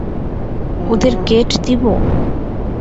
ওদের কেট দেবো?